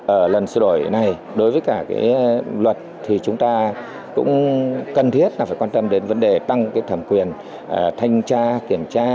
ở lần sửa đổi này đối với cả cái luật thì chúng ta cũng cần thiết là phải quan tâm đến vấn đề tăng cái thẩm quyền thanh tra kiểm tra